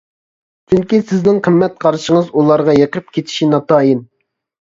چۈنكى سىزنىڭ قىممەت قارىشىڭىز ئۇلارغا يېقىپ كېتىشى ناتايىن.